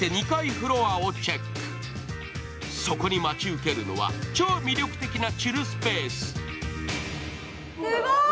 待ち受けるのは超魅力的なチルスペース。